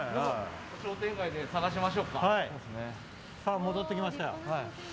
戻ってきましたよ。